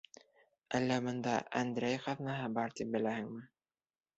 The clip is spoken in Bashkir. Әллә бында «Әндрәй ҡаҙнаһы» бар тип беләһеңме?